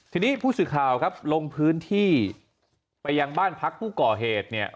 ทีนี้ผู้สื่อข่าวครับลงพื้นที่ไปยังบ้านพักผู้ก่อเหตุเนี่ย